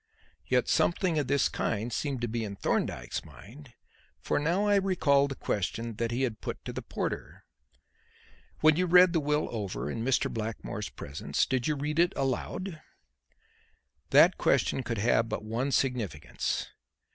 Yet something of this kind seemed to be in Thorndyke's mind, for now I recalled the question that he had put to the porter: "When you read the will over in Mr. Blackmore's presence, did you read it aloud?" That question could have but one significance.